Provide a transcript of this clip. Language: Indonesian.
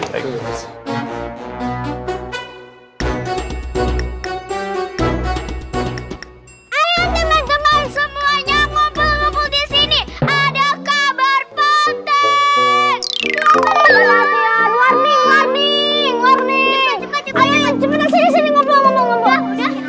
wah ini stand p'husus